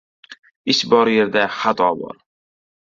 Ish bor yerda xato bor.